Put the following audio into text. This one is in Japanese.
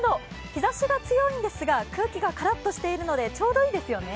日ざしが強いんですが空気がカラッとしているのでちょうどいいですよね。